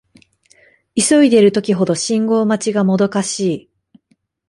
急いでいる時ほど信号待ちがもどかしい